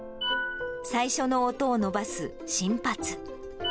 最初の音を伸ばす伸発。